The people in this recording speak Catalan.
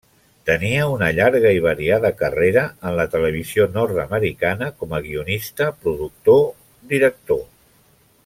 Tenia una llarga i variada carrera en la televisió nord-americana com a guionista, productor, director.